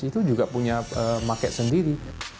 itu juga punya market sendiri